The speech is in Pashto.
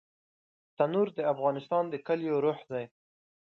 تنور د افغانستان د کليو روح دی